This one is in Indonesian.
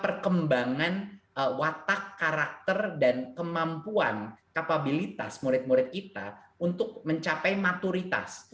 perkembangan watak karakter dan kemampuan kapabilitas murid murid kita untuk mencapai maturitas